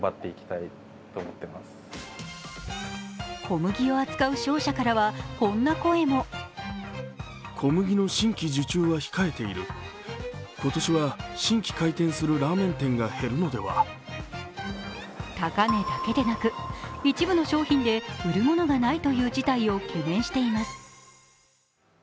小麦を扱う商社からは、こんな声も高値だけでなく、一部の商品で売るものがないという事態を懸念しています。